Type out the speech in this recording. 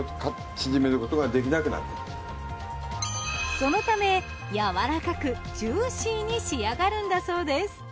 そのため柔らかくジューシーに仕上がるんだそうです。